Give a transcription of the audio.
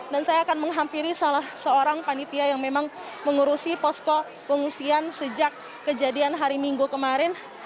dan saya akan menghampiri seorang panitia yang memang mengurusi posko pengungsian sejak kejadian hari minggu kemarin